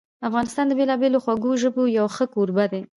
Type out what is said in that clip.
افغانستان د بېلابېلو خوږو ژبو یو ښه کوربه ده.